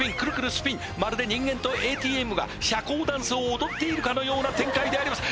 スピンまるで人間とＡＴＭが社交ダンスを踊っているかのような展開であります